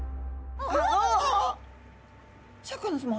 シャーク香音さま。